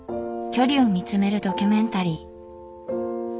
「距離」を見つめるドキュメンタリー。